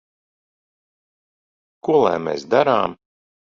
Ko lai mēs darām?